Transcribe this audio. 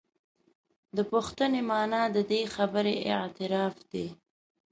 د پوښتنې معنا د دې خبرې اعتراف دی.